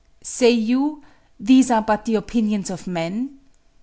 "Say you, 'These are but the opinions of men'?